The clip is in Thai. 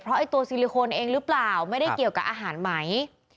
เพราะไอ้ตัวซิลิโคนเองหรือเปล่าไม่ได้เกี่ยวกับอาหารไหม